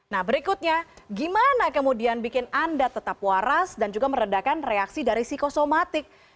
nah berikutnya gimana kemudian bikin anda tetap waras dan juga meredakan reaksi dari psikosomatik